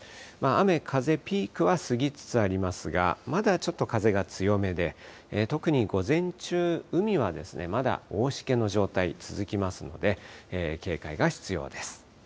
雨、風、ピークは過ぎつつありますが、まだちょっと風が強めで、特に午前中、海はまだ大しけの状態、続きますので、警戒が必要です。